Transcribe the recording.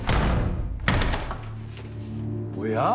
おや？